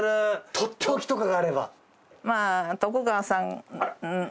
とっておきとかがあれば。